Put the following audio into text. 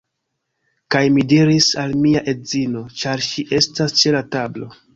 Kaj mi diris al mia edzino, ĉar ŝi estas ĉe la tablo: